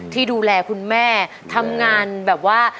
ที่ดูแลคุณแม่ทำงานแบบว่า